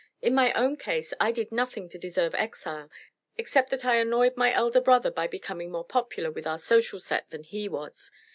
In my own case I did nothing to deserve exile except that I annoyed my elder brother by becoming more popular with our social set than he was.